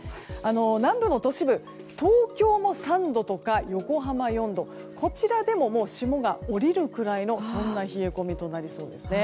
南部の都市でも東京も３度とか横浜４度こちらでも霜が降りるくらいの冷え込みとなりそうですね。